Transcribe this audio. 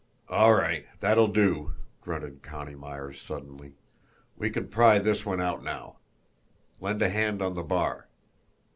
"All right, that'll do!" grunted Connie Myers suddenly. "We can pry this one out now. Lend a hand on the bar!"